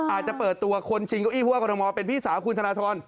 อาจจะเปิดตัวคนชิงเก้าอี้ผู้ว่ากรทมเป็นพี่สาวคุณธนทร